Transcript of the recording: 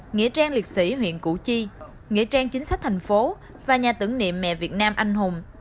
nghĩa trang liệt sĩ huyện củ chi nghĩa trang chính sách thành phố và nhà tưởng niệm mẹ việt nam anh hùng